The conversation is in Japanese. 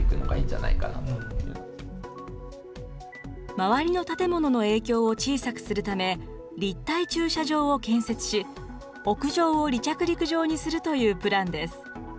周りの建物の影響を小さくするため、立体駐車場を建設し、屋上を離着陸場にするというプランです。